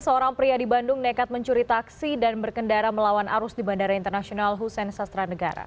seorang pria di bandung nekat mencuri taksi dan berkendara melawan arus di bandara internasional hussein sastra negara